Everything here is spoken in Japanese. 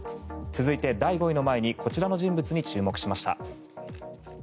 続いて、第５位の前にこちらの人物に注目しました。